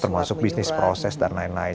termasuk bisnis proses dan lain lain